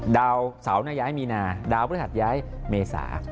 ดาวเสาร์ย้ายมีนาดาวพฤหัสย้ายเมษา